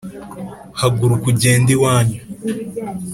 haguruka ugende iwanyu